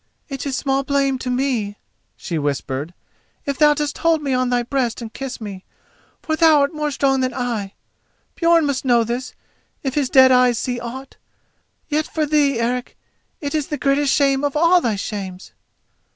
"It is small blame to me," she whispered, "if thou dost hold me on thy breast and kiss me, for thou art more strong than I. Björn must know this if his dead eyes see aught. Yet for thee, Eric, it is the greatest shame of all thy shames."